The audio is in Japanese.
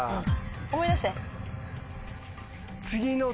思い出して。